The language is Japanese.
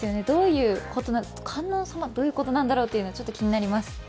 どういうことなのか観音様、どういうことなんだろうというのが気になります。